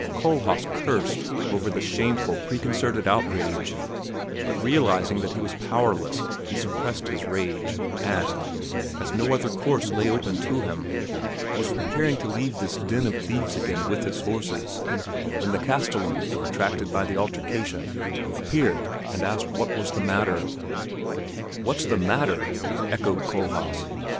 Kohlhaas cursed over the shameful, preconcerted outrage; but realizing that he was powerless he suppressed his rage, and, as no other course lay open to him, was preparing to leave this den of thieves again with his horses when the castellan, attracted by the altercation, appeared and asked what was the matter. "What's the matter?" echoed Kohlhaas.